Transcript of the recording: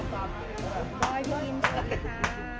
คุณอาหารกินช่วยดีค่ะ